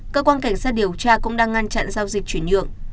cơ quan cảnh sát điều tra cũng đang ngăn chặn giao dịch chuyển nhượng